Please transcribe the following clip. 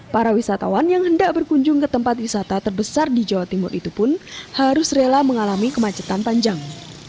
para wisatawan yang hendak berkunjung ke tempat wisata terbesar di jawa timur itu pun harus rela mengalami kemacetan panjang